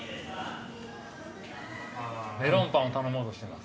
メロンパンを頼もうとしてます。